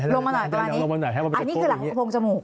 ลงมาหลังก่อนอันนี้คือหลังโพงจมูก